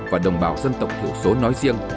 và đồng bào dân tộc thiểu số nói riêng